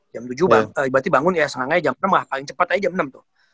jam tujuh bangun berarti bangun ya setengah ngangin jam enam lah paling cepat aja jam enam tuh